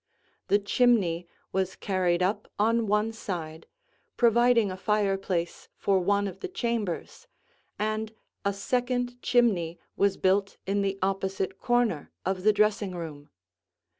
The chimney was carried up on one side, providing a fireplace for one of the chambers, and a second chimney was built in the opposite corner of the dressing room.